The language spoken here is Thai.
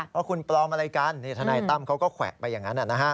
เพราะคุณปลอมอะไรกันธนัยตำเขาก็แขวะไปอย่างนั้นน่ะ